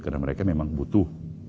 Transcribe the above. karena mereka memang butuh